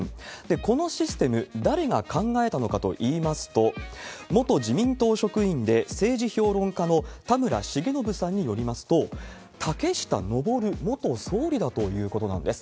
このシステム、誰が考えたのかといいますと、元自民党職員で政治評論家の田村重信さんによりますと、竹下登元総理だということなんです。